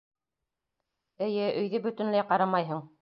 Эйе, өйҙө бөтөнләй ҡарамайһың.